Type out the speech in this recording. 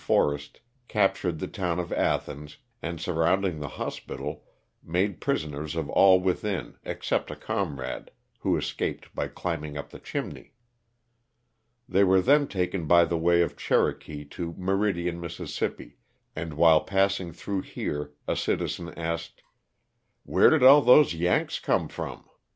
Forrest, captured the town of Athens, and surround ing the hospital made prisoners of all within except a comrade who escaped by climbing up the chimney. They were then taken by the way of Cherokee to Meridian, Miss., and while passing through here a citizen asked, "Where did all those 'Yanks' come from?''